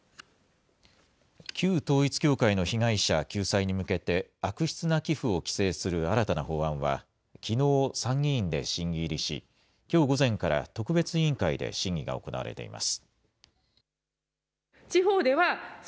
旧統一教会の被害者救済に向けて、悪質な寄付を規制する新たな法案は、きのう、参議院で審議入りし、きょう午前から特別委員会で審議が行われています。